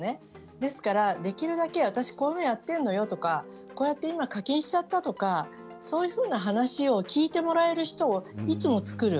ですから、できるだけ私はこういうのやっているのよとか課金しちゃったとかそういうお話を聞いてもらえる人をいつも作る。